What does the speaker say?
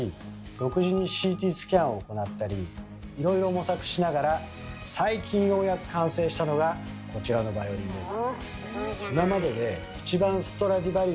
独自にＣＴスキャンを行ったりいろいろ模索しながら最近ようやく完成したのがこちらのバイオリンです。